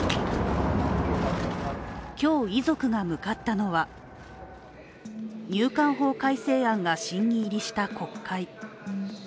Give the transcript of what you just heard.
今日、遺族が向かったのは入管法改正案が審議入りした国会。